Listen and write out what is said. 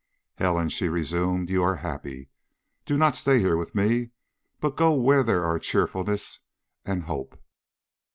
"Helen," she resumed, "you are happy. Don't stay here with me, but go where there are cheerfulness and hope."